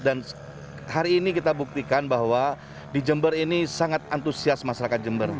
dan hari ini kita buktikan bahwa di jember ini sangat antusias masyarakat jember